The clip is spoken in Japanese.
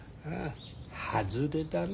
外れだな。